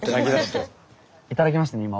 音いただきました。